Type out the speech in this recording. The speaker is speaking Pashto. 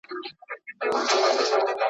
له څارویو سره احتیاط وکړئ.